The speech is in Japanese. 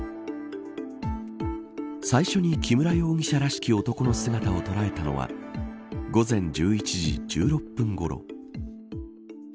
最初に木村容疑者らしき男の姿を捉えたのは午前１１時１６分ごろ。